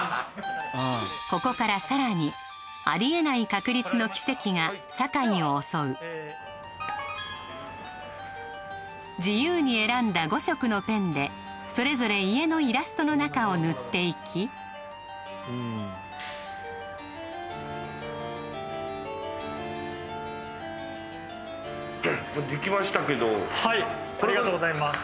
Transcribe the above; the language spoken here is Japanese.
ここからさらにありえない確率の奇跡が酒井を襲う自由に選んだ５色のペンでそれぞれ家のイラストの中を塗っていきできましたけどはいありがとうございます